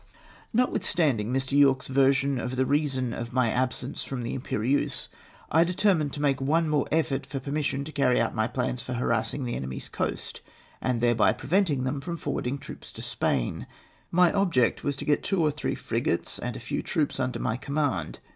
Notwithstandino' Mr. Yorke's version of the reason of my absence from the Lrtperieuse, I determined to make one more effort for permission to carry out my plans for harassing the enemy's coast, and thereby pre venting them from forwarchng troops to Spain. My object was to get two or three frigates and a few troops under my command.